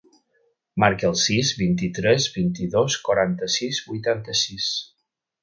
Marca el sis, vint-i-tres, vint-i-dos, quaranta-sis, vuitanta-sis.